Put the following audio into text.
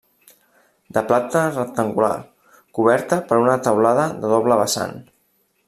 De planta rectangular, coberta per una teulada de doble vessant.